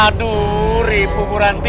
aduh ripu muranti